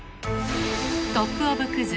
トップオブクズ